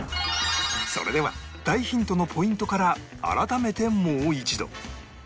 それでは大ヒントのポイントから改めてもう一度